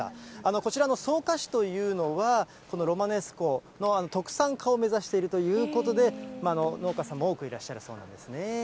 こちらの草加市というのは、ロマネスコの特産化を目指しているということで、農家さんも多くいらっしゃるそうなんですね。